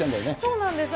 そうなんです。